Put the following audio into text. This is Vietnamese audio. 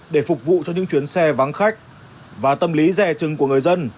để phục vụ cho những chuyến xe vắng khách và tâm lý rẻ chừng của người dân